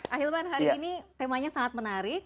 ahilman hari ini temanya sangat menarik